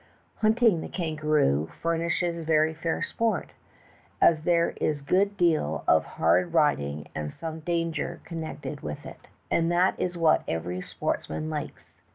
Hunting the kan garoo furnishes very fair sport, as there is a good deal of hard riding and some danger connected with it, and that is what every sportsman likes.